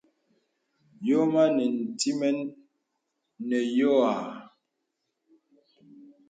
Yōm anə ntìməŋ nə yuhə̀.